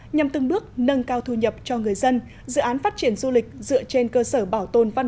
nhằm từng bước nâng cao thu nhập cho người dân dự án phát triển du lịch dựa trên cơ sở bảo tồn văn